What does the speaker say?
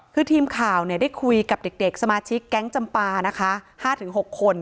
คือทีมข่าวได้คุยกับเด็กสมาชิกแก๊งจำปานะคะ๕๖คน